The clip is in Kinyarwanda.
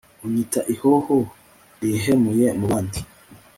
unyita ihoho rihehemuye mubandi